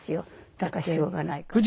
だからしょうがないから。